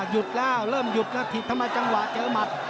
หยุดแล้วเริ่มหยุดแล้วถีบทำไมจังหวะเจอหมัด